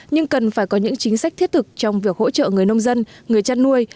nhưng cần phải có những chính sách thiết thực trong việc hỗ trợ người nông dân người chăn nuôi